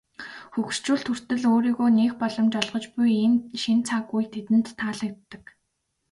Хөгшчүүлд хүртэл өөрийгөө нээх боломж олгож буй энэ шинэ цаг үе тэдэнд таалагддаг.